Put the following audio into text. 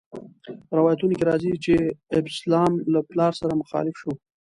روایتونو کې راځي چې ابسلام له پلار سره مخالف شو.